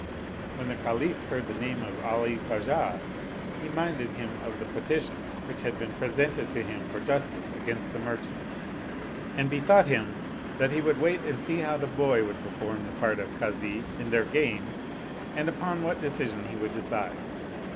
When the Caliph heard the name of Ali Khwajah he minded him of the petition which had been presented to him for justice against the merchant, and be thought him that he would wait and see how the boy would perform the part of Kazi in their game and upon what de 130 The Jar of Olives and the Boy Kasi cision he would decide.